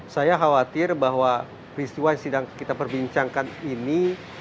saya khawatir bahwa peristiwa yang sedang kita perbincangkan ini